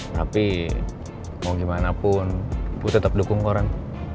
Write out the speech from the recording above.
tapi mau gimana pun tetap dukung orang